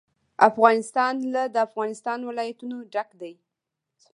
افغانستان له د افغانستان ولايتونه ډک دی.